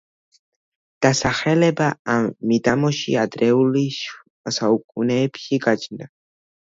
დასახლება ამ მიდამოში ადრეულ შუასაუკუნეებში გაჩნდა.